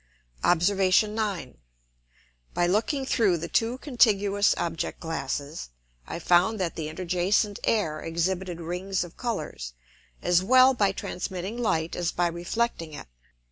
Obs. 9. By looking through the two contiguous Object glasses, I found that the interjacent Air exhibited Rings of Colours, as well by transmitting Light as by reflecting it.